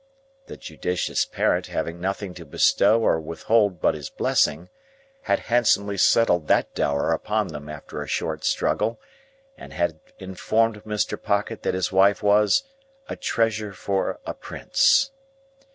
The judicious parent, having nothing to bestow or withhold but his blessing, had handsomely settled that dower upon them after a short struggle, and had informed Mr. Pocket that his wife was "a treasure for a Prince."